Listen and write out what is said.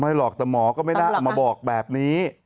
หรอกแต่หมอก็ไม่ได้เอามาบอกแบบนี้